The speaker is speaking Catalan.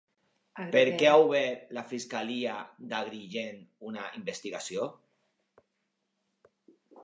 Per què ha obert la fiscalia d'Agrigent una investigació?